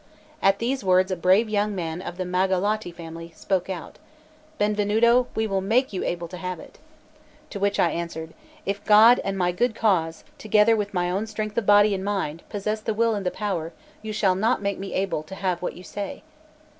At these words a brave young man of the Magalotti family spoke out: "Benvenuto, we will make you able to have it." To which I answered: "If God and my good cause, together with my own strength of body and mind, possess the will and the power, you shall not make me able to have what you say."